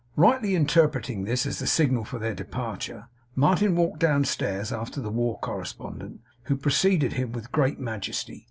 Rightly interpreting this as the signal for their departure, Martin walked downstairs after the war correspondent, who preceded him with great majesty.